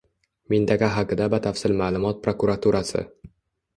Mintaqa haqida batafsil ma'lumot Prokuraturasi: